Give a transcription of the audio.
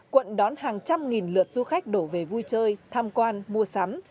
quận đón hàng trăm nghìn lượt du khách đổ về vui chơi tham quan mua sắm